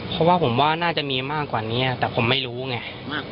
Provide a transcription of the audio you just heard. เพราะว่าผมว่าน่าจะมีมากกว่านี้แต่ผมไม่รู้ไง